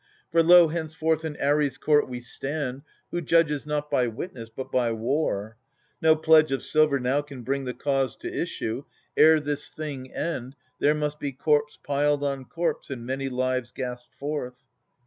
For lo, henceforth in Ares' court we stand. Who judges not by witness but by war : No pledge of silver now can bring the cause To issue : ere this thing end, there must be Corpse piled on corpse and many lives gasped forth.